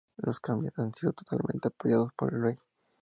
Los cambios han sido totalmente apoyados por el rey.